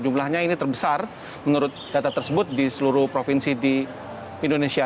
jumlahnya ini terbesar menurut data tersebut di seluruh provinsi di indonesia